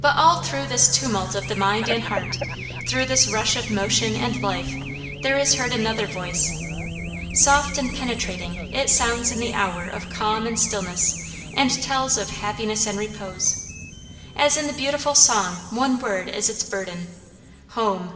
But all through this tumult of the mind and heart, through this rush of motion and life there is heard another voice. Soft and penetrating it sounds in the hour of calm and stillness and tells of happiness and repose. As in the beautiful song one word is its burden, Home!